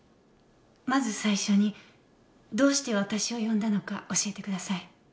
まず最初にどうして私を呼んだのか教えてください。